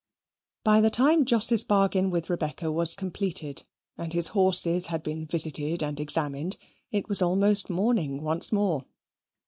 By the time Jos's bargain with Rebecca was completed, and his horses had been visited and examined, it was almost morning once more.